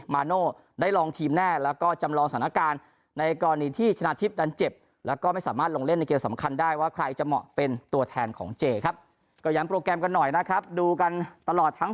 มาโน่ได้ลองทีมแน่แล้วก็จำลองสถานการณ์ในกรณีที่ชนะทิพย์นั้นเจ็บแล้วก็ไม่สามารถลงเล่นในเกมสำคัญได้ว่าใครจะเหมาะเป็นตัวแทนของเจครับก็ย้ำโปรแกรมกันหน่อยนะครับดูกันตลอดทั้ง